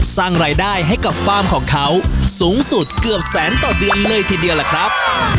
สร้างรายได้ให้กับฟาร์มของเขาสูงสุดเกือบแสนต่อเดือนเลยทีเดียวล่ะครับ